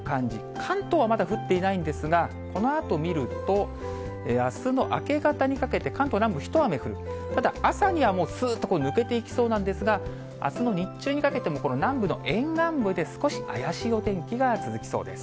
関東はまだ降っていないんですが、このあと見ると、あすの明け方にかけて、関東南部、一雨降る、ただ朝にはもう、すーっと抜けていきそうなんですが、あすの日中にかけてもこの南部の沿岸部で少し怪しいお天気が続きそうです。